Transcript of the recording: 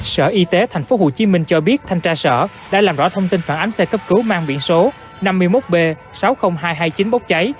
sở y tế tp hcm cho biết thanh tra sở đã làm rõ thông tin phản ánh xe cấp cứu mang biển số năm mươi một b sáu mươi nghìn hai trăm hai mươi chín bốc cháy